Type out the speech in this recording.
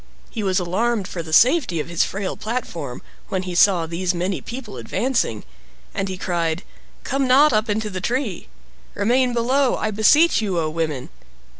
He was alarmed for the safety of his frail platform, when he saw these many people advancing, and he cried, "Come not up into the tree. Remain below, I beseech you, O women!"